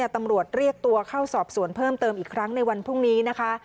ตำรวจเรียกตัวเข้าสอบสวนเพิ่มเติมอีกครั้งในวันพรุ่งนี้นะคะ